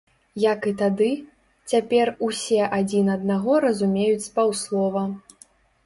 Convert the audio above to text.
Як і тады, цяпер усе адзін аднаго разумеюць з паўслова.